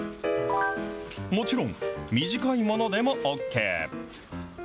もちろん短いものでもＯＫ。